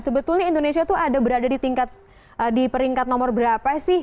sebetulnya indonesia tuh ada berada di tingkat di peringkat nomor berapa sih